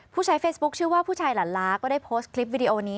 ผู้ใช้เฟซบุ๊คชื่อว่าผู้ชายหลันล้าก็ได้โพสต์คลิปวิดีโอนี้